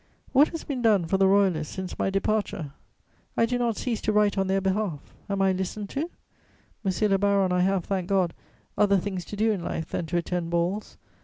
What has been done for the Royalists since my departure? I do not cease to write on their behalf: am I listened to? Monsieur le baron, I have, thank God, other things to do in life than to attend balls.